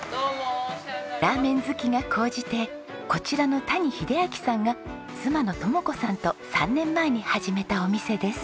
らーめん好きが高じてこちらの谷秀明さんが妻の智子さんと３年前に始めたお店です。